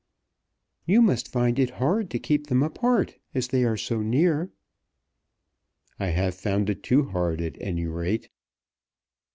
"You must find it hard to keep them apart, as they are so near." "I have found it too hard, at any rate."